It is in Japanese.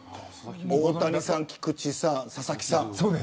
大谷さん、菊池さん佐々木さん。